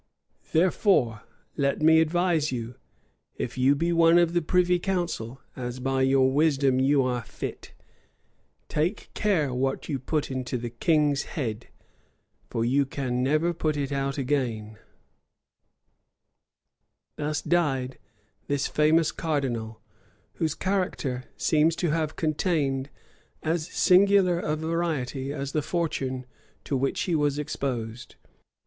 Therefore, let me advise you, if you be one of the privy council, as by your wisdom you are fit, take care what you put into the king's head; for you can never put it out again."[*] * Cavendish. [Illustration: 1 376 tower.jpg THE TOWER OF LONDON] Thus died this famous cardinal, whose character seems to have contained as singular a variety as the fortune to which he was exposed.